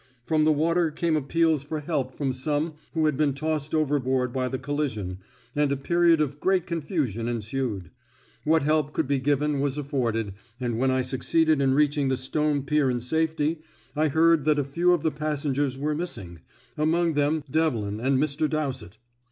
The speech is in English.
From the water came appeals for help from some who had been tossed overboard by the collision, and a period of great confusion ensued. What help could be given was afforded, and when I succeeded in reaching the stone pier in safety, I heard that a few of the passengers were missing among them Devlin and Mr. Dowsett.